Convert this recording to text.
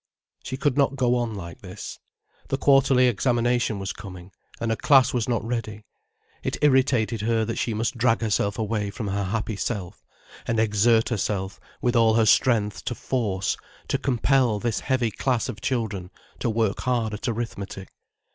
She could not go on like this. The quarterly examination was coming, and her class was not ready. It irritated her that she must drag herself away from her happy self, and exert herself with all her strength to force, to compel this heavy class of children to work hard at arithmetic.